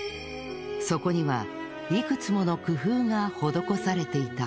そこにはいくつもの工夫が施されていた。